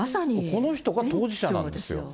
この人が当事者なんですよ。